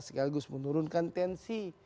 sekaligus menurunkan tensi